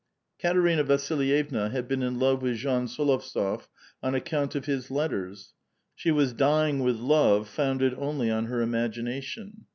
Katerina Vasilyevna had been in love with Jean S61ov tsof on account of his letters. She was dying with love founded only on her imagination.